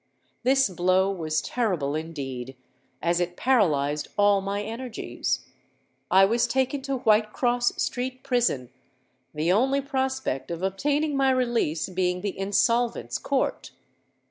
This blow was terrible indeed, as it paralysed all my energies. I was taken to Whitecross Street prison, the only prospect of obtaining my release being the Insolvents' Court.